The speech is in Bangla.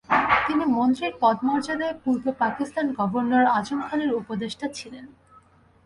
তিনি মন্ত্রীর পদমর্যাদায় পূর্ব পাকিস্তান গভর্নর আজম খানের উপদেষ্টা ছিলেন।